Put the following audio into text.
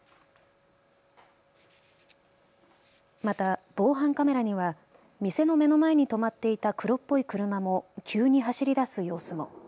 また防犯カメラには店の目の前に止まっていた黒っぽい車も急に走り出す様子も。